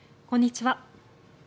こんにちは。